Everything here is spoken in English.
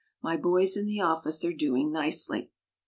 My boys in the office are doing nicely."